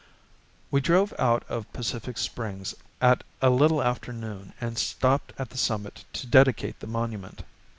We drove out of Pacific Springs at a little after noon and stopped at the summit to dedicate the monument.